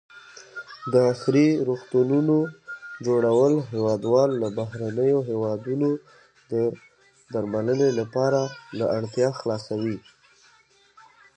د عصري روغتونو جوړول هېوادوال له بهرنیو هېوادونو د درملنې لپاره له اړتیا خلاصوي.